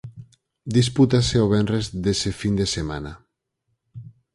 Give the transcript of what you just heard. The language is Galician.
Dispútase o venres dese fin de semana.